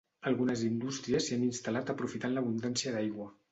Algunes indústries s'hi han instal·lat aprofitant l'abundància d'aigua.